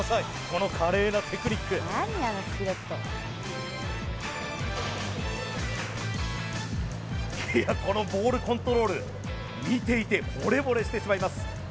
この華麗なテクニックいやこのボールコントロール見ていてホレボレしてしまいます